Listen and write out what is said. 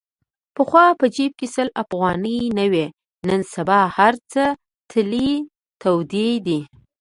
پخوا په جیب کې سل افغانۍ نه وې. نن سبا هرڅه تلې تودې دي.